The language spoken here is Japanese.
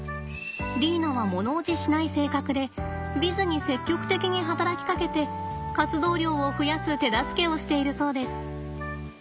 リーナは物おじしない性格でヴィズに積極的に働きかけて活動量を増やす手助けをしているそうです。